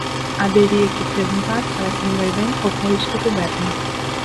Habería que preguntar para quen vai ben o país que goberna.